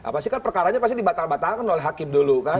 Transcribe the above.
pasti kan perkaranya dibatalkan oleh hakim dulu